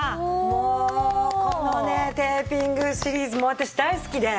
もうこのねテーピングシリーズ私大好きで。